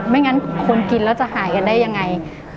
ไม่งั้นคนกินแล้วจะหายกันได้ยังไง